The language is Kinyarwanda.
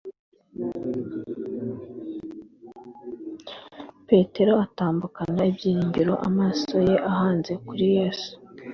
Petero atambukana ibyiringiro amaso ye ayahanze kuri Yesu;